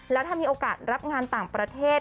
แล้วถ้ามีโอกาสรับงานต่างประเทศ